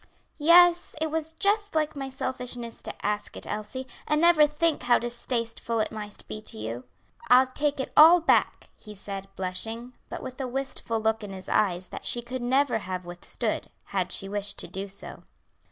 "Yes, it was just like my selfishness to ask it, Elsie, and never think how distasteful it might be to you. I take it all back," he said, blushing, but with a wistful look in his eyes that she could never have withstood, had she wished to do so.